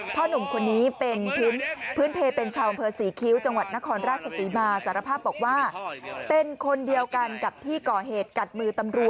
พ่อหนุ่มคนนี้เป็นผืนเพเป็นชาวเปลืองเผัศรีคิ้ว